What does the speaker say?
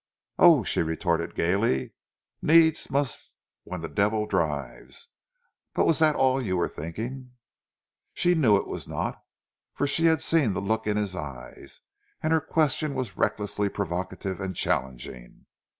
"Oh," she retorted gaily, "needs must when the devil drives! But was that all you were thinking?" She knew it was not, for she had seen the look in his eyes, and her question was recklessly provocative and challenging.